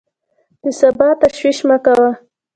د سبا تشویش مه کوه!